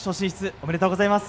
おめでとうございます。